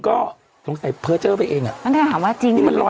ก็ตรงสัยเพอเจ้าไปเอง